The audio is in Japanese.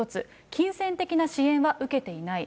金銭的な支援は受けていない。